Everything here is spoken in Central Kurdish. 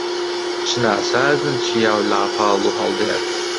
چ ناسازن چیا و لاپاڵ و هەڵدێر